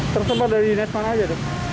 tersebut ada di dinas mana aja